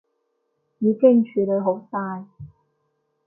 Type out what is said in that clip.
已經處理好晒